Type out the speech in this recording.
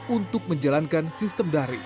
untuk menjalankan sistem belajar online